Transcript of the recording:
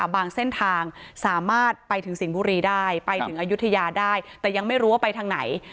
เส้นทางสามารถไปถึงสิงห์บุรีได้ไปถึงอายุทยาได้แต่ยังไม่รู้ว่าไปทางไหน